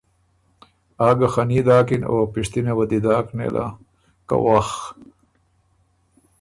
آ ګۀ خني داکِن او پِشتِنه وه دی داک نېله که وخ!